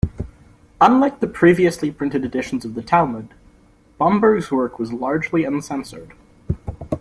Unlike the previously printed editions of the Talmud, Bomberg's work was largely uncensored.